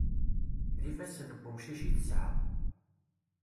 D ifassen n wemcic i tesɛa.